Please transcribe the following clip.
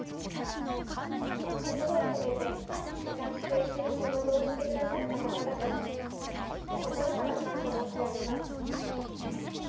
心を込めて、私と一緒に仕事をしてくださった方々に、心から感謝申し上げます。